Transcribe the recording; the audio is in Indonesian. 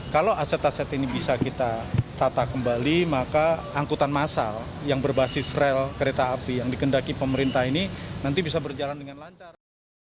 kalau aset aset ini bisa kita tata kembali maka angkutan massal yang berbasis rel kereta api yang dikendaki pemerintah ini nanti bisa berjalan dengan lancar